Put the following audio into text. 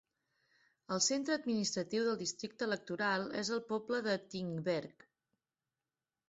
El centre administratiu del districte electoral és el poble de Tingberg.